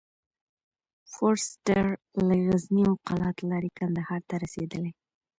فورسټر له غزني او قلات لاري کندهار ته رسېدلی.